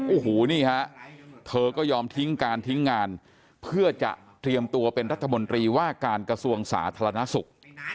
โอ้โหนี่ฮะเธอก็ยอมทิ้งการทิ้งงานเพื่อจะเตรียมตัวเป็นรัฐมนตรีว่าการกระทรวงสาธารณสุข